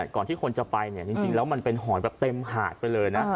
ก่อนที่คนจะไปเนี่ยจริงแล้วมันเป็นหอยแบบเต็มหาดไปเลยนะ